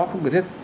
không có thiết